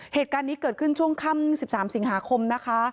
เหตุการณ์นี้เกิดขึ้นช่วงค่ำ๑๓สิงหาคมนะคะ